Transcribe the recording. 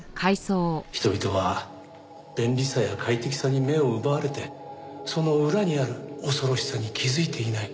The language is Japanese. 人々は便利さや快適さに目を奪われてその裏にある恐ろしさに気づいていない。